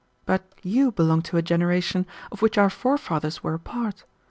But you belong to a generation of which our forefathers were a part.